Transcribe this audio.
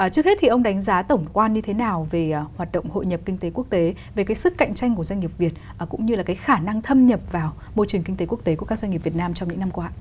trước hết thì ông đánh giá tổng quan như thế nào về hoạt động hội nhập kinh tế quốc tế về cái sức cạnh tranh của doanh nghiệp việt cũng như là cái khả năng thâm nhập vào môi trường kinh tế quốc tế của các doanh nghiệp việt nam trong những năm qua